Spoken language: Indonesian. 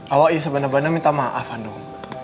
awak ya sebenarnya minta maaf andung